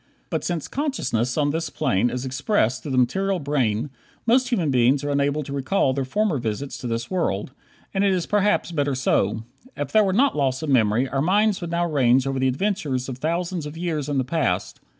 But since consciousness on this plane is expressed through the material brain, most human beings are unable to recall their former visits to this world; and it is perhaps better so. If there were not loss of memory our minds would now range over the adventures of thousands of years in the past.